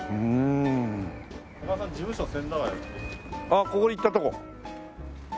ああここ行ったとこ。